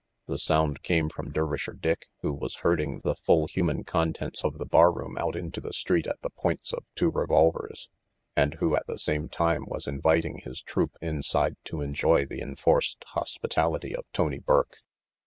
The sound came from Dervisher Dick who was herding the full human contents of the barroom out into the street at the points of two revolvers, and who, at the same time, was inviting his troupe inside to enjoy the enforced hospitality of Tony Burke.